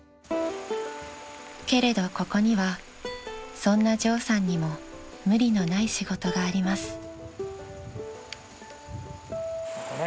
［けれどここにはそんなジョーさんにも無理のない仕事があります］